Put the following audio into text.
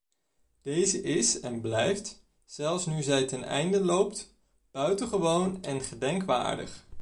Deze is en blijft - zelfs nu zij teneinde loopt - buitengewoon en gedenkwaardig.